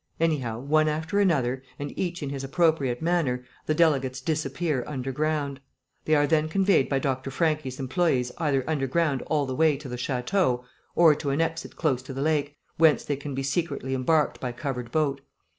Anyhow, one after another, and each in his appropriate manner, the delegates disappear underground. They are then conveyed by Dr. Franchi's employees either underground all the way to the château or to an exit close to the lake, whence they can be secretly embarked by covered boat.